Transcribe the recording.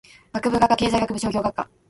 学部・学科経済学部商業学科